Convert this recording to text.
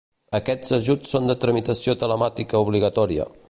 Aquests ajuts són de tramitació telemàtica obligatòria.